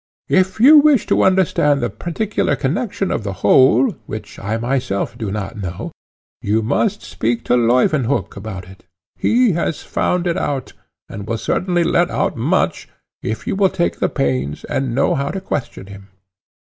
If you wish to understand the more particular connexion of the whole, which I myself do not know, you must speak to Leuwenhock about it; he has found it out, and will certainly let out much, if you will take the pains, and know how to question him."